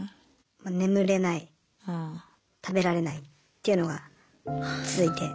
眠れない食べられないっていうのが続いて。